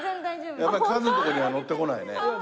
やっぱりカズのとこには乗ってこないね。